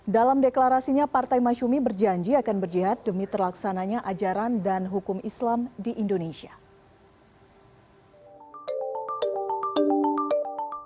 dalam deklarasinya partai masyumi berjanji akan berjihad demi terlaksananya ajaran dan hukum islam di indonesia